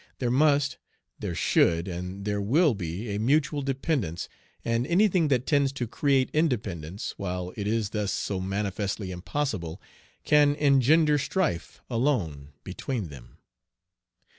There must, there should, and there will be a mutual dependence, and any thing that tends to create independence, while it is thus so manifestly impossible, can engender strife alone between them.